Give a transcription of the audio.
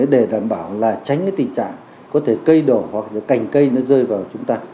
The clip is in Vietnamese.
để đảm bảo là tránh cái tình trạng có thể cây đổ hoặc là cành cây nó rơi vào chúng ta